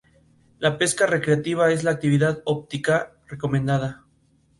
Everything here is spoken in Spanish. La pesca recreativa es la actividad óptima recomendada.